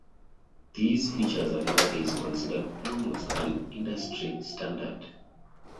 These features are nowadays considered almost an industry standard.